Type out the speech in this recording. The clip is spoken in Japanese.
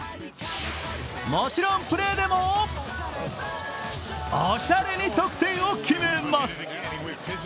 もちろんプレーでもおしゃれに得点を決めます。